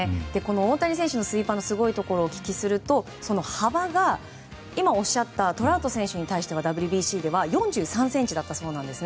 大谷選手のスイーパーのすごいところをお聞きすると幅が今おっしゃったトラウト選手に対してのＷＢＣでは４３ｃｍだったそうなんです。